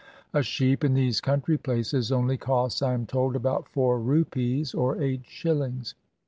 A sheep in these country places only costs, I am told, about four rupees, or eight shillings.